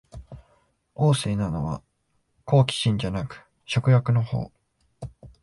旺盛なのは好奇心じゃなく食欲のほう